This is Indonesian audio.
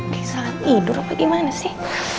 di saat tidur apa gimana sih